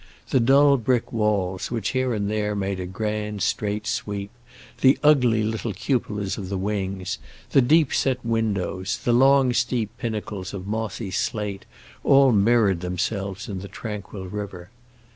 The dull brick walls, which here and there made a grand, straight sweep; the ugly little cupolas of the wings, the deep set windows, the long, steep pinnacles of mossy slate, all mirrored themselves in the tranquil river.